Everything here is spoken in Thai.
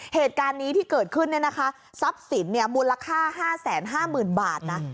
เหตุการณ์นี้ที่เกิดขึ้นเนี่ยนะคะซับสินเนี่ยมูลค่าห้าแสนห้าหมื่นบาทน่ะ